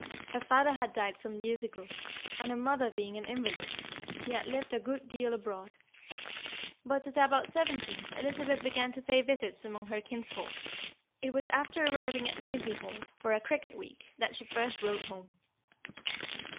Her father had died some years ago, and, her mother being an invalid, she had lived a good deal abroad. But, at about seventeen, Elizabeth began to pay visits among her kinsfolk. It was after arriving at Nazeby Hall, for a Cricket Week, that she first wrote home.